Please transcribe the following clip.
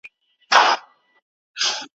چي نیکونو به ویله بس همدغه انقلاب دی